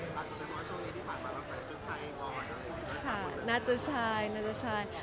อเจมส์ภายใจว่าช่วงนี้ที่มาเราใส่ชื่อไทยน่าจะใช่ค่ะ